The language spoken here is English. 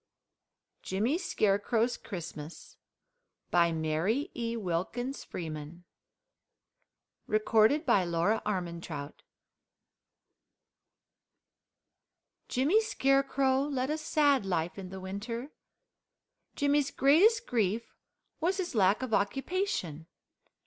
JIMMY SCARECROW'S CHRISTMAS MARY E. WILKINS FREEMAN Jimmy Scarecrow led a sad life in the winter. Jimmy's greatest grief was his lack of occupation.